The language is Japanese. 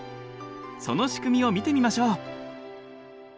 その仕組みを見てみましょう。